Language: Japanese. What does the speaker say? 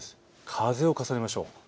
風を重ねましょう。